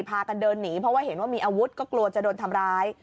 พากันเดินหนีเพราะว่าเห็นว่ามีอาวุธก็กลัวจะโดนทำร้าย